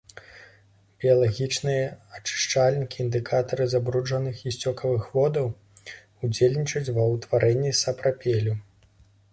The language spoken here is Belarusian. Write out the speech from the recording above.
Біялагічныя ачышчальнікі і індыкатары забруджаных і сцёкавых водаў, удзельнічаюць ва ўтварэнні сапрапелю.